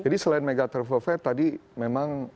jadi selain mega travel fair tadi memang